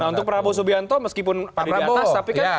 nah untuk prabowo subianto meskipun paling di atas tapi kan